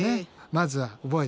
まずは覚えてね。